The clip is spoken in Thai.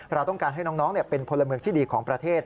เราต้องการให้น้องเป็นพลเมืองที่ดีของประเทศ